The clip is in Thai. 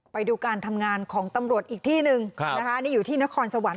ไปดูการทำงานของตำรวจอีกที่หนึ่งนะคะนี่อยู่ที่นครสวรรค